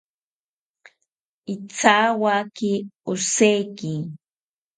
Ithawaki osheki